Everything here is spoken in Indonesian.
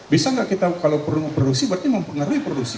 bisa nggak kita kalau perlu produksi berarti mempengaruhi produksi